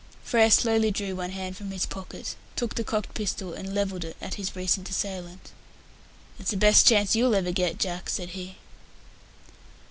Frere slowly drew one hand from his pocket, took the cocked pistol and levelled it at his recent assailant. "That's the best chance you'll ever get, Jack," said he.